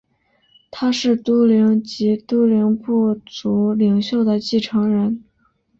他是都灵及都灵部族领袖的继承人。